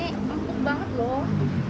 ini empuk banget loh